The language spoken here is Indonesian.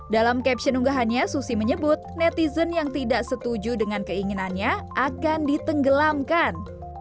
dalam caption unggahannya susi menyebut netizen yang tidak setuju dengan keinginannya akan ditenggelamkan